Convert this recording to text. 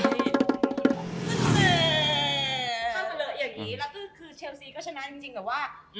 แล้วคือเชลซีก็ชนะจริงแต่ว่า